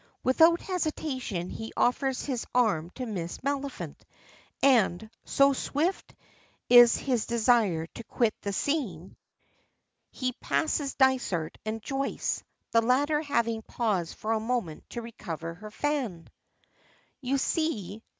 Without hesitation he offers his arm to Miss Maliphant; and, so swift is his desire to quit the scene, he passes Dysart and Joyce, the latter having paused for a moment to recover her fan. "You see!"